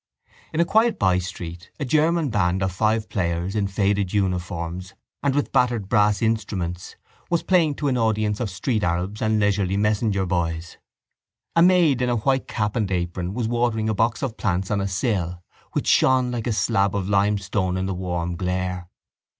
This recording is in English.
In a quiet bystreet a German band of five players in faded uniforms and with battered brass instruments was playing to an audience of street arabs and leisurely messenger boys. A maid in a white cap and apron was watering a box of plants on a sill which shone like a slab of limestone in the warm glare.